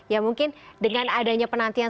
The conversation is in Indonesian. ya mungkin dengan adanya penantian